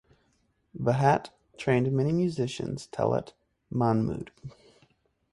Bhat trained many musicians Talat Mahmood.